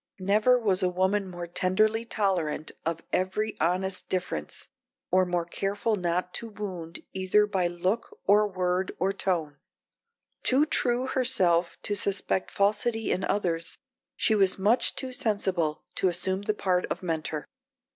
Never was a woman more tenderly tolerant of every honest difference, or more careful not to wound either by look or word or tone. Too true herself to suspect falsity in others, she was much too sensible to assume the part of Mentor.